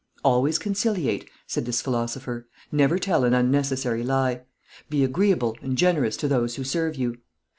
"Always conciliate," said this philosopher. "Never tell an unnecessary lie. Be agreeable and generous to those who serve you.